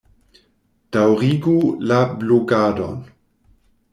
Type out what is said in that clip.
Daŭrigu la blogadon!